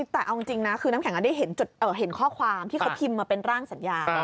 แต่เอาจริงนะคือน้ำแข็งได้เห็นข้อความที่เขาพิมพ์มาเป็นร่างสัญญา